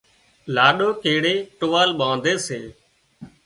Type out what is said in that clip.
لاڏو ڪيڙئي ٽووال ٻانڌي سي